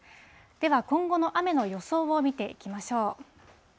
では今後の雨の予想を見ていきましょう。